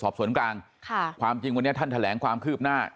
สอบสวนกลางค่ะความจริงวันนี้ท่านแถลงความคืบหน้า